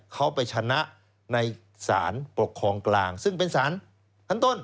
เขาไปชนะในสารปกครองกลางซึ่งเป็นสารชั้นต้น